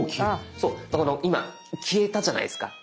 そう今消えたじゃないですか。